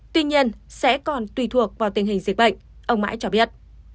tuy nhiên sẽ còn tùy thuộc vào tình hình dịch bệnh ông mãi cho biết